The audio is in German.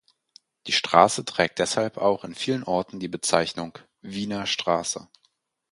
Die Straße trägt deshalb auch in vielen Orten die Bezeichnung "Wiener Straße".